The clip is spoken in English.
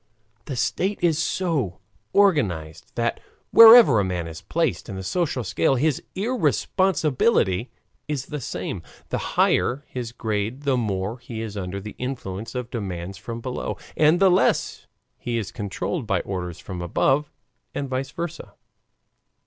The state is so organized that wherever a man is placed in the social scale, his irresponsibility is the same. The higher his grade the more he is under the influence of demands from below, and the less he is controlled by orders from above, and VICE VERSA.